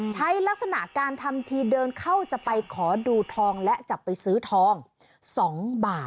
ลักษณะการทำทีเดินเข้าจะไปขอดูทองและจับไปซื้อทอง๒บาท